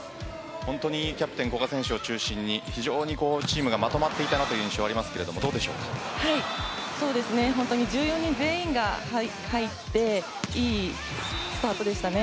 本当にキャプテン・古賀選手を中心に、非常にチームがまとまっていたなという印象がありますが１４人全員が入っていいスタートでしたね。